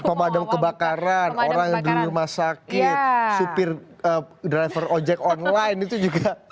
pemadam kebakaran orang di rumah sakit supir driver ojek online itu juga